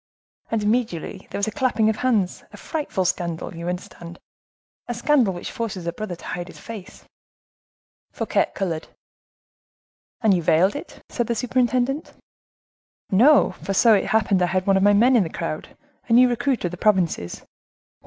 And immediately there was a clapping of hands. A frightful scandal! you understand; a scandal which forces a brother to hide his face." Fouquet colored. "And you veiled it?" said the superintendent. "No, for so it happened I had one of my men in the crowd; a new recruit from the provinces, one M.